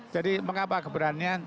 jadi mengapa keberanian